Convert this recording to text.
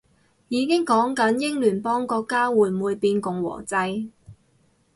已經講緊英聯邦國家會唔會變共和制